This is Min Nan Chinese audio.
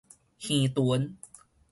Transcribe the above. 耳脣